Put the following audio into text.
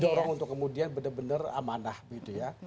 dorong untuk kemudian benar benar amanah gitu ya